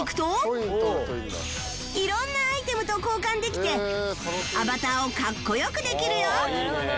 色んなアイテムと交換できてアバターをかっこよくできるよ